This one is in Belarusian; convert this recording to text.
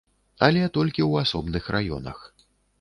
Але толькі ў асобных раёнах.